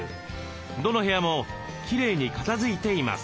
どの部屋もきれいに片づいています。